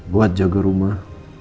buat jaga rumah